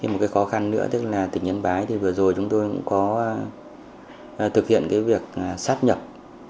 một cái khó khăn nữa là tỉnh nhân bái vừa rồi chúng tôi cũng có thực hiện việc sát nhập